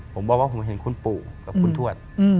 ผมบอกว่าผมเห็นคุณปู่กับคุณทวด